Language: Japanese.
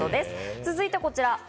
続いてこちら。